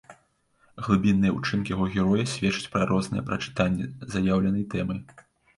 Глыбінныя ўчынкі яго героя сведчаць пра розныя прачытанні заяўленай тэмы.